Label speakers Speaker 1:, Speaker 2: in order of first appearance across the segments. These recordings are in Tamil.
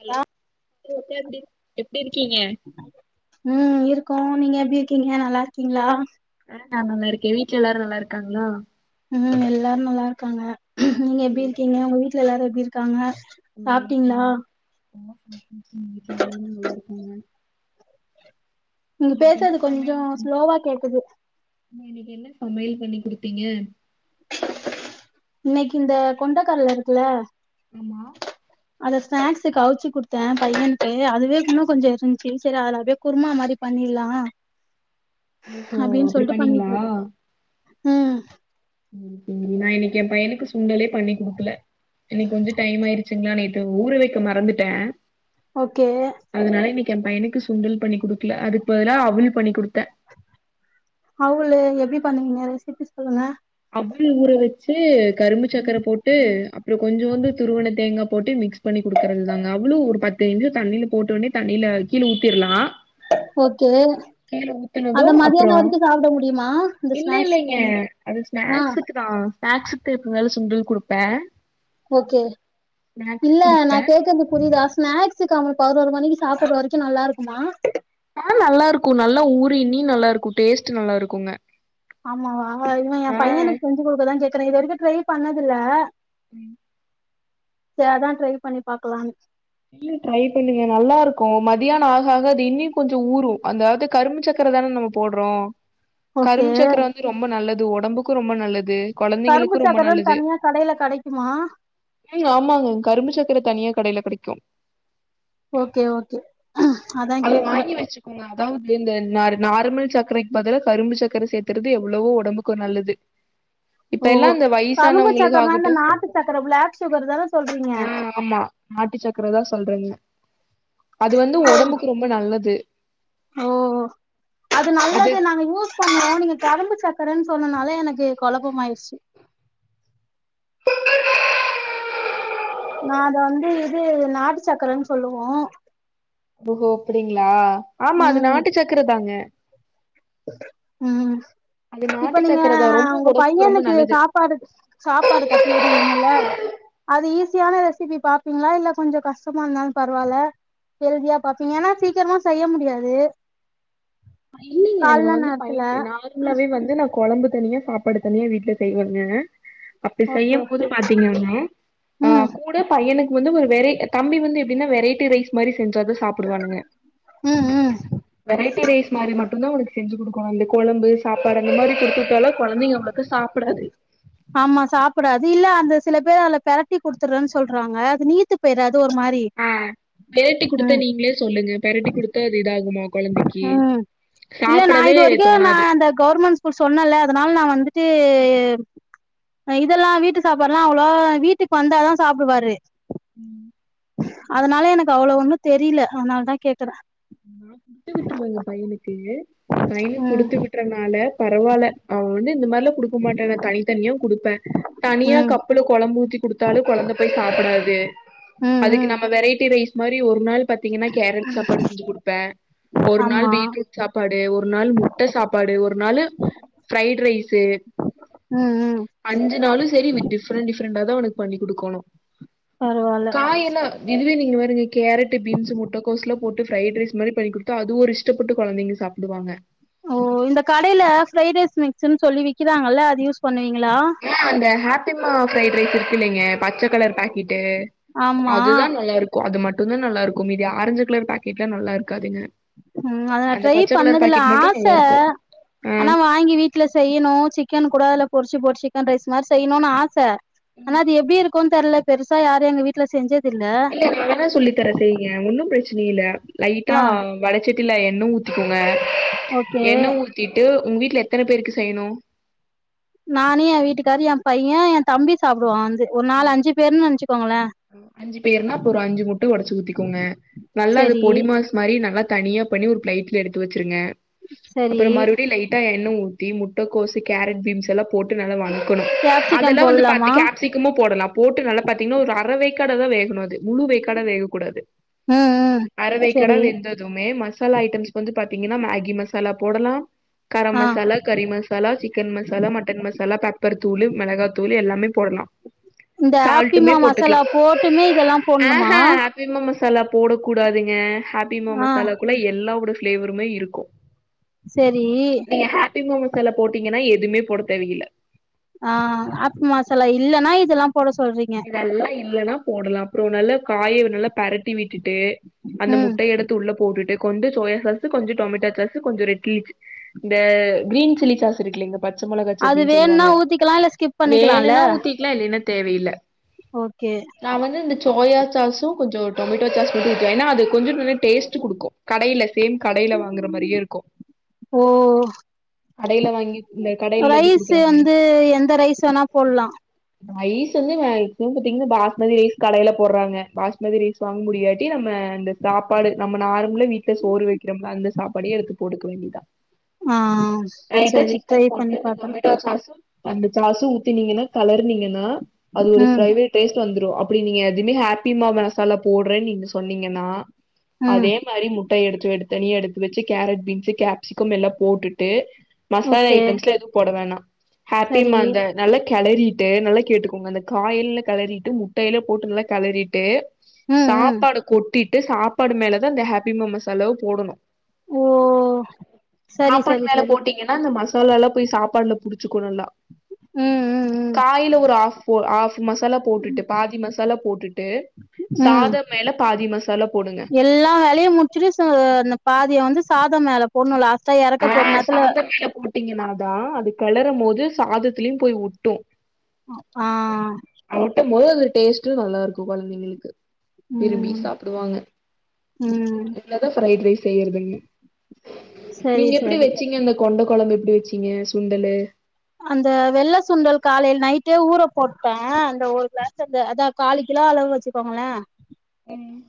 Speaker 1: ஹலோ அக்கா எப்டி எப்டி இருக்கீங்க
Speaker 2: ம் இருக்கோ நீங்க எப்படி இருக்கீங்க நல்லா இருக்கீங்களா
Speaker 1: நா நல்லாருக்கே வீட்ல எல்லாரு நல்லாக்காங்களா
Speaker 2: ம் எல்லாரு நல்லாருக்காங்க நீங்க எப்பிடி
Speaker 1: ம்,
Speaker 2: இருக்கீங்க உங்க வீட்ல எல்லாரு எப்பிடி இருக்காங்க
Speaker 1: நல்லா
Speaker 2: சாப்பிட்டீங்களா
Speaker 1: இருக்காங்க [inaudible] வீட்ல எல்லாரு நல்லாருக்கோங்க
Speaker 2: நீங்க பேசுறது கொஞ்சோ ஸ்லோவா கேக்குது
Speaker 1: நீங்க இன்னைக்கி என்ன சமையல் பண்ணி குடுத்தீங்க
Speaker 2: இன்னைக்கி இந்த கொண்டகடல இருக்குல
Speaker 1: ஆமா
Speaker 2: அத ஸ்னாக்ஸ்கு அவிச்சி கொடுத்தே பையனுக்கு அதுவே இன்னு கொஞ்சோ இருந்துச்சு சரி அதுல அப்டே குருமா மாதிரி பண்ணிர்லா
Speaker 1: ஓஹோ
Speaker 2: அப்டின்னு
Speaker 1: அப்டி
Speaker 2: சொல்லிட்டு
Speaker 1: பண்ணீங்களா
Speaker 2: பண்ணிட்டுருக்கே ம்
Speaker 1: [unintelligible] நா இன்னைக்கி ஏ பையனுக்கு சுண்டல்லே பண்ணி குடுக்கல இன்னைக்கு கொஞ்சோ டைமாயிருச்சு ட்டுங்களா நேத்து ஊற வைக்க மறந்துட்டே
Speaker 2: ஓகே
Speaker 1: அதனால இன்னைக்கி ஏ பையனுக்கு சுண்டல் பண்ணி குடுக்கல அதுக்கு பதிலா அவல் பண்ணி குடுத்தே
Speaker 2: அவுளு எப்பிடி பண்ணீங்க ரெசிபி சொல்லுங்க
Speaker 1: அவுள் ஊற வச்சு கரும்பு சக்கர போட்டு அப்பறோ கொஞ்சோ வந்து துருவன தேங்கா போட்டு மிக்ஸ் பண்ணி குடுக்கறது தாங்க அவ்ளு ஒரு பத்து நிமுஷோ தண்ணியில போட்ட ஒடனே தண்ணில கீழே ஊத்திரலா
Speaker 2: ஓகே
Speaker 1: கீழ ஊத்துனது
Speaker 2: அத மதியானோ
Speaker 1: அப்புறோ
Speaker 2: வரைக்கு சாப்பிட முடியுமா இந்த
Speaker 1: இல்ல
Speaker 2: ஸ்நாக்ஸ்
Speaker 1: இல்லைங்க
Speaker 2: டைம்
Speaker 1: அது
Speaker 2: ஆ
Speaker 1: ஸ்நாக்ஸுக்கு தா ஸ்நாக்ஸுக்கு இருக்குனால சுண்டல் குடுப்பே
Speaker 2: ஓகே
Speaker 1: ஸ்நாக்ஸ்
Speaker 2: இல்ல நா
Speaker 1: குடுப்பே
Speaker 2: கேக்கறது புரியுதா ஸ்நாக்ஸக்கு அவ பதினோரு மணிக்கி சாப்பர்ற வரைக்கு நல்லாருக்குமா
Speaker 1: ஆ நல்லாருக்கு நல்லா ஊறி இண்ணி நல்லாருக்கு டேஸ்ட் நல்லாருக்குங்க
Speaker 2: ஆமாவா இவன் என் பையனுக்கு செஞ்சு குடுக்கதா கேக்குறேன் இது வரைக்கு ட்ரை பண்ணதுல்ல
Speaker 1: ம்
Speaker 2: சேரி அதா ட்ரை பண்ணி பாக்கலான்னு
Speaker 1: இல்ல ட்ரை பண்ணுங்க நல்லாருக்கூ மதியான ஆக ஆக அது இன்னியு கொஞ்சொ ஊறு அதாவ்து கரும்பு சக்கர தான நம்ம போட்றோ
Speaker 2: ஓகே
Speaker 1: கரும்பு சக்கர வந்து ரொம்ப நல்லது ஒடம்புக்கு ரொம்ப நல்லது
Speaker 2: கரும்பு
Speaker 1: கொழந்தைங்களுக்கு ரொம்ப
Speaker 2: சக்கரன்
Speaker 1: நல்லது
Speaker 2: தனியா கடையில கடைக்குமா
Speaker 1: ம் ஆமாங்க கரும்பு சக்கரை தனியா கடையில கெடைக்கும்
Speaker 2: ஓகே ஓகே அதா
Speaker 1: அது
Speaker 2: கேக்குறே
Speaker 1: வாங்கி வச்சு கோங்க அதாவ்து இந்த நான் நார்மல் சக்கரைக்கு பதிலா கரும்பு சக்கர சேத்தறது எவ்ளவோ ஒடம்புக்கு நல்லது
Speaker 2: [unintelligible]
Speaker 1: இப்ப
Speaker 2: ஓ
Speaker 1: எல்லா இந்த
Speaker 2: கரும்பு
Speaker 1: வயசானவங்களுக்கு
Speaker 2: சக்கர நா இந்த
Speaker 1: ஆகட்டு
Speaker 2: நாட்டு சக்கர பிளாக் சுகர் தான சொல்றீங்க
Speaker 1: நாட்டுச் சக்கர தா சொல்றிங்க அது வந்து ஒடம்புக்கு ரொம்ப நல்லது
Speaker 2: ஓ அது நல்லது நாங்க யூஸ் பண்ணோ நீங்க கரும்பு சக் கரன் சொன்னனாலே எனக்கு கொழப்பம் ஆயிருச்சு நா அத வந்து இது நாட்டு சக்கரன்னு சொல்லுவோ
Speaker 1: ஓஹோ அப்டிங்களா ஆமா அது
Speaker 2: ம்
Speaker 1: நாட்டு சக்கரதாங்க
Speaker 2: ம் இப்ப நீங்க
Speaker 1: சக்கர தா ரொம்ப
Speaker 2: உங்க
Speaker 1: ஒடம்புக்கு ரொம்ப
Speaker 2: பையனுக்கு
Speaker 1: நல்லது
Speaker 2: சாப்பாடு சாப்பாடு கட்டிவிடு ங்கள அது ஈஸியான ரெசிபி பாப்பீங்ளா இல்ல கொஞ்சொ கஷ்டமா இருந்தாலு பரவால ஹெல்தியா பாப்பீங்க ஏன்னா சீக்கரமா செய்ய முடியாது
Speaker 1: ஏனா
Speaker 2: கால்ல
Speaker 1: வந்து
Speaker 2: நேரத்துல
Speaker 1: பயன் நார்மலாவே வந்து நான் கொழம்பு தனியா சாப்பாடு தனியா வீட்ல செய்வங்க அப்டி
Speaker 2: ஓகே
Speaker 1: செய்யும் போது பாத்தீங்கன்னா ஆ
Speaker 2: ம்
Speaker 1: கூட பையனுக்கு வந்து ஒரு வெரை தம்பி வந்து எப்டின்னா வெரட்டி ரைஸ் மாரி செஞ்சாதா சாப் புடுவானுங்க
Speaker 2: ம் ம்
Speaker 1: வெரைட்டி ரைஸ் மாரி மட் மட்டுந்தா அவனுக்கு செஞ்சு குடுக்கணு அந்த கொழம்பு சாப்பாடு அந்த மாரி குடுத்துவுட்டாலு கொழந்தைங்க அந்தளவுக்கு சாப்புடாது
Speaker 2: ஆமா சாப்புடாது இல்ல அந்த சில பேர் அது பெரட்டி குடுத்துறேன்னு சொல்றாங்க அது நீத்து பேய்றாது ஒரு மாரி
Speaker 1: ஆ பெரட்டி குடுத்த
Speaker 2: ம்
Speaker 1: நீங்களே சொல்லுங்க பெரட்டி குடுத்தா அது இதாகுமா கொழந்தைக்கு
Speaker 2: ம் இல்ல நா
Speaker 1: சாப்டவே
Speaker 2: இதுவரைகு நா
Speaker 1: தோணாது
Speaker 2: அந்த கவர்மெண்ட் கூல் சொன்னல்ல அதனால நா வந்துட்டு இதெல்லா வீட்டு சாப்பாட்லா அவ்வளோ வீட்டுக்கு வந்தாதான் சாப்டுவாரு
Speaker 1: ம்
Speaker 2: அதனால எனக்கு அவ்வள ஒண்ணு தெரியில அதனாலதா கேக்குற
Speaker 1: நா குடுத்து விட்டுருவேங்க பையனுக்கு பையனு
Speaker 2: ம்
Speaker 1: குடுத்து விட்ட கனால பரவால்ல அவன் வந்து இந்த மாரிலா குடுக்க மாட்டான தனித்தனியா குடுப்பே தனியா
Speaker 2: ம்
Speaker 1: கப்புல கொழம்பு ஊத்தி குடுத்தாலு கொழந்த போய் சாப்புடாது
Speaker 2: ம்
Speaker 1: அதுக்கு
Speaker 2: ம்
Speaker 1: நம்ம வெரைட்டி ரைஸ் மாரி ஒரு நாள் பாத்தீங்கன்னா கேரட் சாப்பாடு செஞ்சு குடுப்பே ஒரு நாள்
Speaker 2: ஆமா
Speaker 1: பீட்ரூட் சாப்பாடு ஒரு நாள் முட்ட சாப்பாடு ஒரு நாளு ஃப்ரைட் ரைஸு
Speaker 2: ம் ம்
Speaker 1: அஞ்சு நாளு செரி விட்டு டிஃப்ரெண்ட் டிஃப்ரெண்ட தா அவனுக்கு பண்ணி குடுக்கோணு
Speaker 2: பரவால்ல
Speaker 1: [unintelligible] இதுவே நீங்க பாருங்க கேரட் பீன்ஸ் முட்டக்கோஸ்லாபோட்டு போட்டு ஃப்ரைட்ரைஸ் மாரி பண்ணி குடுத்தா அது ஒரு இஷ்டப்பட்டு கொழந்தைங்க சாப்டுவாங்க
Speaker 2: ஓ இந்த கடைல்ல ஃப்ரைட் ரைஸ் மிக்ஸ்ன்னு சொல்லி விக்கிறாங்கல்ல அது யூஸ் பண்ணுவீங்களா
Speaker 1: ஆ இந்த ஹாப்பிம்மா ஃப்ரைட் ரைஸ் இருக்கு இல்லைங்க பச்ச கலர் பாக்கெட்டு
Speaker 2: ஆமா
Speaker 1: அதுதா நல்லா இருக்கு அது மட்டுந்தா நல்லாருக்கு மீதி ஆரஞ்சு களர் பாக்கெட் எல்லா நல்லா இருக்காதுங்க
Speaker 2: ம் அத நா
Speaker 1: அந்த
Speaker 2: ட்ரை
Speaker 1: பச்ச கலர்
Speaker 2: பண்ணதுல
Speaker 1: பாக்கெட் மட்டு
Speaker 2: ஆச
Speaker 1: நல்லா இருக்கு
Speaker 2: ஆனா
Speaker 1: ஆ
Speaker 2: வாங்கி வீட் ட்ல செய்யணு சிக்கன் கூட அதுல பொரிச்சு பொரிச்சி சிக்கன் ரைஸ் மாரி செய்யணுனு ஆசை
Speaker 1: ம்
Speaker 2: ஆனா அது எப்டி இரு க்குன்னு தெர்ல பெருசா யாரு எங்க வீட்ல செஞ்சதில்ல
Speaker 1: இல்ல நா தானே சொல்லி தரது ஏ ஒன்னு பிரச்சனை இல்ல
Speaker 2: ஆ
Speaker 1: லைட்டா வடச்சட்டில எண்ண ஊத்திக்கோங்க
Speaker 2: ஓகே
Speaker 1: எண்ண ஊ த்திட்டு உங்க வீட்ல எத்தனை பேருக்கு செய்யணு
Speaker 2: நானு என் வீட்டுக்காரு என் பைய என் தம்பி சாப்பிடுவான் வந்து ஒரு நாலு அஞ்சு பேருன்னு நெனச்சுக்கோங்களே
Speaker 1: அஞ்சு பேர்னா அப்போ ஒரு அஞ்சு முட்ட ஒடைச்சு ஊத்திக்கோங்க நல்லா அது
Speaker 2: செரி
Speaker 1: பொடிமாஸ் மாரி நல்லா தனியா பண்ணி ஒரு பிளைட்ல எடுத்து வெச்சிருங்க
Speaker 2: செரி
Speaker 1: அப்புற மறுபடியு லைட் ட்டா எண்ண ஊத்தி முட்டக்கோஸ் கேரட் பீன்ஸ் எல்லா போட்டு நல்லா வதக்கணு
Speaker 2: கேப்சிகம்
Speaker 1: அதெல்லா வந்து பத்து
Speaker 2: போடலாமா
Speaker 1: கேப்ஸ் சிகமு போடலா போட்டு நல்லா பாத்தீங்கன்னா ஒரு அறவேக்கடா தா வேகணு அது முழுவேக்காடா வேகக்கூடாது
Speaker 2: ம் ம்
Speaker 1: அரவேக்காடா
Speaker 2: சரி
Speaker 1: வெந்தது மே மசாலா ஐட்டம்ஸ்க்கு வந்து பாத்தீங்கன்னா மேகி மசாலா போடலா கரம்
Speaker 2: ஆ
Speaker 1: மசாலா கறி மசாலா சிக்கன் மசாலா மட்டன் மசாலா பெப்பர் தூளு மிளகா தூளு எல்லாமே போடலா
Speaker 2: இந்த
Speaker 1: சால்ட்டுமே
Speaker 2: ஆப்பிமா
Speaker 1: போட்டுக்கலா
Speaker 2: மசாலா போட்டுமே இதெல்லா
Speaker 1: ஆஹ
Speaker 2: போட்ணுமா
Speaker 1: ஹாப்பிம்மா மசாலா போட கூடாதுங்க ஹாப்பிம்மா
Speaker 2: ஆ
Speaker 1: மசாலா ல எல்லாவோட ஃபிளேவருமே இருக்கு
Speaker 2: சரி
Speaker 1: நீங்க பிம்மா மசாலா போட்டீங்கன்னா எதுமே போட தேவையில்ல
Speaker 2: ஆ அப்பு மசாலா இல்லைன்னா இதெல்லா போட சொல்றீங்க
Speaker 1: இது எல்லா இல்லைன்னா போடலா அப்புறோ நல்லா காய நல்லா பரட்டி விட்டுட்டு அந்த
Speaker 2: ம்
Speaker 1: முட்டைய எடுத் து உள்ள போட்டுட்டு கொஞ்ச சோயா சாஸ் கொஞ்ச டொமேட்டா சாஸ் கொஞ்ச ரெட் சிள்ளி சாஸ் இந்த கிரீன் சில்லி சாஸ் இருக்குலீங்க பச்ச மிளகாய்
Speaker 2: அது
Speaker 1: சட்னின்னு
Speaker 2: வேணுனா
Speaker 1: சொல்லுவாங்க
Speaker 2: ஊத்திக்கலா இல்ல ஸ்கிப் பண்ணிக்கலால்ல
Speaker 1: வேணுனா ஊத்திக்கலா இல்லைன்னா தேவையில்ல
Speaker 2: ஓகே
Speaker 1: நா வந்து இந்த சோயா சாஸ்சு கொஞ்ச டொமேட்டோ சாஸ் மட்டு ஊத்துவே ஏனா அது கொஞ்ச நல்லா டேஸ்ட் குடுக்கு கடைல சேம் கடையில வாங்கற மாரியே இருக்கு
Speaker 2: ஓ
Speaker 1: கடையில வாங்கி இந்த கடையில எப்டி
Speaker 2: ரைஸ்
Speaker 1: குடுக்குறாங்க
Speaker 2: வந்து எந்த ரைஸ் வேணா போட்லா
Speaker 1: ரைஸ் வந்து மா பாத்திங்கன்னா பாஸ்மதி ரைஸ் கடைல போட்றாங்க பாஸ்மதி ரைஸ் வாங்க முடியாட்டி நம்ம அந்த சாப்பாடு நம்ம நார்மலா விட்ல சோறு வைக்கிறோம்ல அந்த சாப்பாடையே எடுத்து போடுக்க வேண்டியதா
Speaker 2: ஆ
Speaker 1: லைட்டா
Speaker 2: சரி
Speaker 1: சிக்கன்
Speaker 2: ட்ரை
Speaker 1: போட்டு
Speaker 2: பண்ணி
Speaker 1: இந்த
Speaker 2: பாக்குறே
Speaker 1: டொமேட்டோ சாஸ்சும் அந்த சாஸ்சு ஊத்தினீங்கன்னா கலர்னீங்கன்னா அது ஒரு
Speaker 2: ம்
Speaker 1: ப்பே டேஸ்ட் வந்துரு அப்டி நீங்க எதுமே ஹாப்பிமா மசாலா போடுறேன் நீங்க சொன்னீங்கன்னா
Speaker 2: ம்
Speaker 1: அதே மாரி முட்டை எடுத்து எடு தனியே எடுத்து வச்சு கேரட் பீன்ஸ் கேப்சிகம் எல்லா போட்டுட்டு மசாலா
Speaker 2: ஓகே
Speaker 1: ஐட்டம்ஸ்லா எதும் போட வேணா
Speaker 2: சரி
Speaker 1: ஹாப்பிமா அந்த நல்லா கெளறிட்டு நல்லா கேட்டுக்கோங்க அந்த ஆயில்ல கெளறிட்டு முட்டையில போட்டு நல்லா கெளரிட்டு
Speaker 2: ம் ம்
Speaker 1: சாப்பாடு கொட்டி ட்டு சாப்பாடு மேலதா இந்த ஹாப்பிமா மாசலாவ போடணு
Speaker 2: ஓ சரி
Speaker 1: சாப்பாடு
Speaker 2: சரி
Speaker 1: மேல
Speaker 2: சரி
Speaker 1: போட்டீங்கன் னா அந்த மசாலாலா போய் சாப்பாடுல புடிச்சுக்கு நல்லா
Speaker 2: ம் ம்
Speaker 1: காய்ல ஒரு ஹாஃப் ஹாஃப் மசாலா போட்டுட்டு பாதி மசாலா போட்டுட்டு
Speaker 2: ம் ம்
Speaker 1: சாதம் மேல பாதி மசாலா போடுங்க
Speaker 2: எல்லா வேலையு முடிச்சுட்டு சு அந்த பாதியம் வந்து சாதம் மேல போண்ணு லாஸ்ட்டா எர்
Speaker 1: ஆஹ் சாத மேல போட்டீங்கன்னாதா அது கெளரும் போது சாதத்துலயு போய் ஒட்டு
Speaker 2: ஆஹ்
Speaker 1: அவுர்ட்ட [unintelligible] டேஸ்ட்டு நல்லாருக்கு கொழந்தைங்களுக்கு விரும்பி
Speaker 2: ம்
Speaker 1: சாப்புடுவாங்க
Speaker 2: ம்
Speaker 1: ஃப்ரைட் ரைஸ் செய்யறதுன்னு
Speaker 2: சரி
Speaker 1: நீங்க எப்டி
Speaker 2: சரி
Speaker 1: வெச்சீங்க அந்த கொண்ட கொழம்பு எப்டி வெச்சீங்க சுண்டலு
Speaker 2: அந்த வெள்ள சுண்டல் காலைல நைட்டே ஊற போட்ட அந்த ஒரு கிளாஸ் அந்த அதா காலுகிலோ அளவு வச்சுக்கோங்கள
Speaker 1: ம்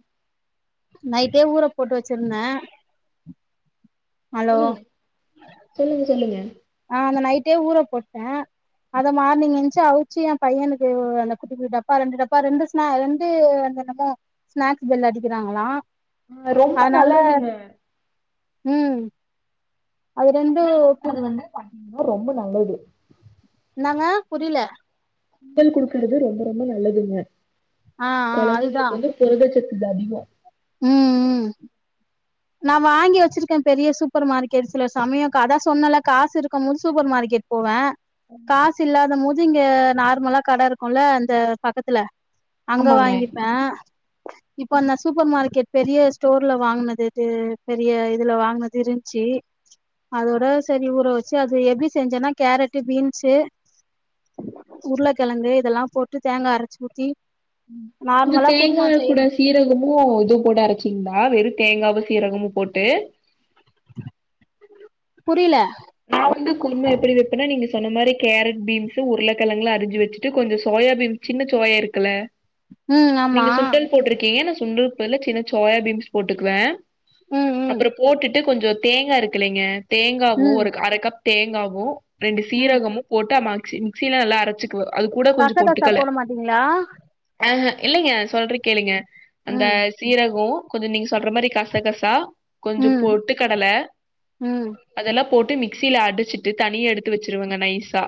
Speaker 2: நைட்டே ஊற போட்டு வெச்சிருந்த அலோ
Speaker 1: சொல்லுங்க சொல்லுங்க சொல்லுங்க
Speaker 2: அ அந்த நைட்டே ஊற போட்ட அத மார்னிங் என்ச்சி அவுச்சு எ பையனுக்கு அந்த குட்டி குட்டி டப்பா ரெண்டு டப்பா ரெண்டு நாலந்து அது என்னமோ ஸ்நாக்ஸ் பெல்லு அடிக்கறாங்களா
Speaker 1: ஆ ரொம்ப
Speaker 2: அதனால
Speaker 1: நல்லதுங்க
Speaker 2: ம் அது ரெண்டு குடுத்
Speaker 1: பாத்தீங்கின்னா ரொம்ப நல்லது
Speaker 2: என்னங்க புரில
Speaker 1: சுண்டல் குடுக்கறது ரொம்ப ரொம்ப நல்லதுங்க
Speaker 2: ஆ ஆ அதுதா
Speaker 1: கொழந்தைங்களுக்கு வந்து புரதச்சத்து அதிகோ
Speaker 2: ம் ம் நா வாங்கி வெச்சிருக்கே பெரிய சூப்பர் மார்க்கெட்ஸ்ல சமயோ அதா சொன்னல காசு இருக்க போது சூப்பர் மார்க்கெட் போவ காசு இல்லாத மோது இங்க நார்மலா கட இருக்குல்ல அந்த பக்கத்துல அங்க
Speaker 1: ஆமாங்க
Speaker 2: வாங்கிப்ப இப்ப அந்த சூப்பர் மார் கே பெரிய ஸ்டோர்ல வாங்னது இது பெரிய இதுல வாங்கனது இருன்ச்சு அதோட செரி ஊற வெச்சு அது எப்டி செஞ்சன்னா கேரட்டு பீன்ஸ்சு உருளக்கெழங்கு இதெல்லா போட்டு தேங்கா அரைச்சு ஊத்தி
Speaker 1: கொஞ்சோ
Speaker 2: நார்மலா
Speaker 1: தேங்கா
Speaker 2: குருமா
Speaker 1: கூட
Speaker 2: செய்வோ
Speaker 1: சீரகமு இதுவு போட்டு அரைச்சிங்களா வெறு தேங்காவு சீரகமு போட்டு
Speaker 2: புரில
Speaker 1: நா வந்து குருமா எப்டி வெப்பனா நீங்க சொன்ன மாரி கேரட் பீன்ஸ்சு உருளக்கெழங்ல அரிஞ்சு வெச்சிட்டு கொஞ்சோ சோயா பீன் சின்ன சோயா இருக்குல
Speaker 2: ம் ஆமா
Speaker 1: நீங்க சுண்டல் போட்ருக்கீங்க நா சுண்டல்கு பதுலா சின்ன சோயா பீன்ஸ் போட்டுக்குவ
Speaker 2: ம் ம்
Speaker 1: அப்புற போட்டுட்டு கொஞ்சோ தேங்கா இருக்குலைங்க தேங்காவு
Speaker 2: ம்
Speaker 1: ஒரு அர கப் தேங்காவு ரெண்டு
Speaker 2: ம்
Speaker 1: சீரகமு போட்டு அ மக்ஸ் மிக்சில நல்லா அரைச்சு கு அது கூட கொஞ்சோ
Speaker 2: கசகசா
Speaker 1: பொட்டுக்கல
Speaker 2: போட மாட்டீங்களா
Speaker 1: அஹ இல்லைங்க சொல்ற கேளுங்க அந்த
Speaker 2: ம்
Speaker 1: சீரகோ கொஞ்சோ நீங்க சொல்ற மாரி கச கசா கொஞ்சோ
Speaker 2: ம்
Speaker 1: பொட்டு கடல
Speaker 2: ம்
Speaker 1: அதெல்லா போட்டு மிக்ஸ்சில அடிச்சிட்டு தனியா எடுத்து வெச்சிருவங்க நைசா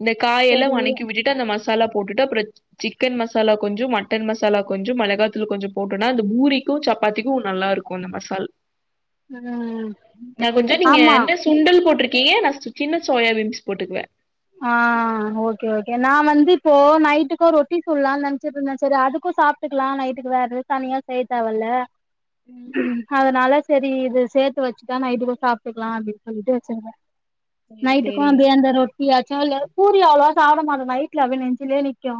Speaker 1: இந்த காய் எல்லா
Speaker 2: சரி
Speaker 1: வணக்கி விட்டுட் டு அந்த மசாலா போட்டுட்டு அப்றோ சிக்கன் மசாலா கொஞ்சோ மட்டன் மசாலா கொஞ்சோ மெளகாத்தூள் கொஞ்சோ போட்டோனா அந்த பூரிக்கு சப்பாத்திக்கு நல்லாருக் கோனு மசால்
Speaker 2: ம்
Speaker 1: நா கொஞ்சோ நீங்க
Speaker 2: ஆமா
Speaker 1: என்ன சுண்டல் போட்டிருக்கீய நா ச சின்ன சோயா பீன்ஸ் போட்டுக்குவ
Speaker 2: ஆ ஓகே ஓகே நா வந்து இப்போ நைட்டுக்கு ரொட்டி சுட்லான் நெனைச்சிட் இருந்த செரி அதுக்கு சாப் க்கலா நைட்டுக்கு வேற எது தனியா செய்ய தேவல்ல அதனால செரி இது சேத்து வச்சுட்டா நைட்டுக்கு சாப்ட்டுக்குலா அப்டின் சொல்ட்டு செஞ்ச
Speaker 1: சேரி
Speaker 2: நைட்டுக்கு
Speaker 1: சேரிங்க
Speaker 2: அதே அந்த ரொட் பூரி ஆச்சு இல்ல பூரி அவ்ளவா சாப்டமட்ட நைட்ல அப்டியே நெஞ்சிலயே நிக்கு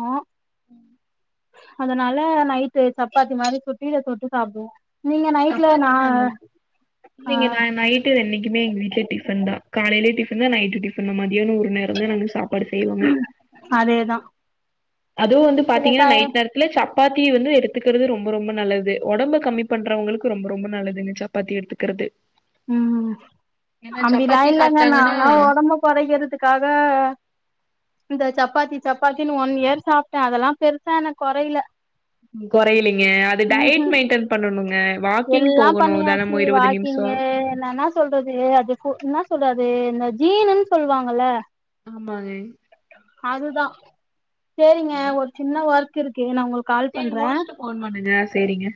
Speaker 1: ம்
Speaker 2: அதனால நைட்டு சப்பாத்தி மாரி சுட்டு இத தொட்டு சாப்டுவோ நீங்க நைட்ல
Speaker 1: சப்பாத்தி
Speaker 2: நா
Speaker 1: நல்லது
Speaker 2: ஆ
Speaker 1: இல்லைங்க நா நைட்டு என்னைக்குமே எங்க வீட்ல டிஃபன் தா காலைல டிஃபன் தா நைட்டு டிஃபன் தா மதியான ஒரு நேர வந்து நாங்க சாப்பாடு செய்வாங்க
Speaker 2: அதேதா
Speaker 1: அதுவு வந்து
Speaker 2: சில
Speaker 1: பாத்தீங்கனா நைட்
Speaker 2: டைம்
Speaker 1: நேரத் துல சப்பாத்தி வந்து எடுத்துக்கிறது ரொம்ப ரொம்ப நல்லது உடம்பு கம்மி பண்றவங்களுக்கு ரொம்ப ரொம்ப நல்லது ச பாத்தி எடுத்துக்கிறது
Speaker 2: ம்
Speaker 1: ஏன்னா
Speaker 2: அப்படிலா
Speaker 1: சப்பாத்தி
Speaker 2: இல்லங்க
Speaker 1: சாப்ட்டாங்கன்னா
Speaker 2: நாலா உடம்ப கொறைக்கிறதுக்காக இந்த சப்பாத்தி சப்பாத்தின் ஒன் இயர் சாப்ட்ட அதெல்லா பெருசா எனக்கு கொறைல
Speaker 1: கொறையலீங்க அது டயட் மெயின்டென் பண்ணணுங்க வாக்கிங் போகணு தனமு இருபது நிமிஷ
Speaker 2: நா என்ன சொல்றது அது என்ன சொல்றது இந்த ஜீனுன் சொல்லுவாங்கல
Speaker 1: ஆமாங்க
Speaker 2: அதுதா சேரிங்க ஒரு சின்ன ஒர்க் இருக்கு நா உங்க
Speaker 1: சேரி முடிச்சுட்டு ஃபோன் பண்ணுங்க சேரிங்க